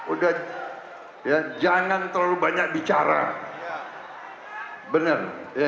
udah ya jangan terlalu banyak bicara benar